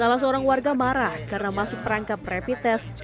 salah seorang warga marah karena masuk perangkap rapid test